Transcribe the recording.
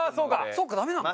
そっかダメなのか。